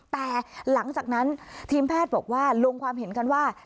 แต่หลังจากนั้นทีมแพทย์บอกว่าลงความเห็นกันว่า